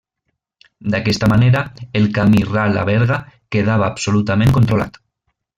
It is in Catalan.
D'aquesta manera, el camí ral a Berga quedava absolutament controlat.